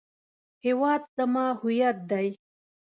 هیواد زما هویت دی